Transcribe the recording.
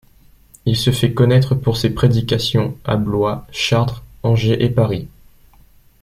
Il se fait connaître pour ses prédications à Blois, Chartres, Angers et Paris.